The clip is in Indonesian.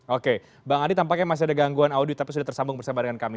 oke bang adi tampaknya masih ada gangguan audit tapi sudah tersambung bersama dengan kami